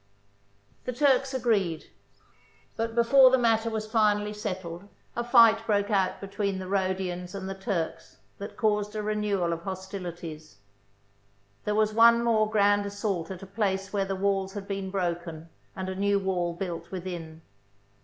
The Turks agreed, but before the matter was finally settled a fight broke out between the Rho dians and the Turks that caused a renewal of hos tilities. There was one more grand assault at a place where the walls had been broken and a new wall built within.